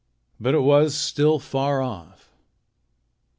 But it was still far off.